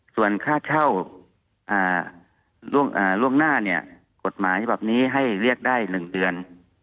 ส่วนค่าเช่าล่วงหน้าเนี่ยกฎหมายฉบับนี้ให้เรียกได้๑เดือน